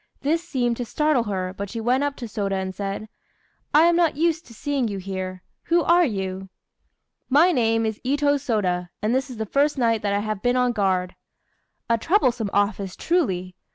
This seemed to startle her, but she went up to Sôda and said "I am not used to seeing you here. Who are you?" "My name is Itô Sôda, and this is the first night that I have been on guard." "A troublesome office, truly!